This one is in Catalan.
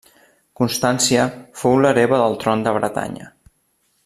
Constància fou l'hereva del tron de Bretanya.